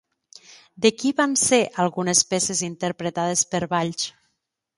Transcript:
De qui van ser algunes peces interpretades per Valls?